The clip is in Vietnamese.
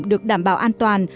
được đảm bảo an toàn